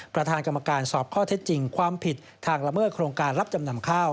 ประธานกรรมการสอบข้อเท็จจริงความผิดทางละเมิดโครงการรับจำนำข้าว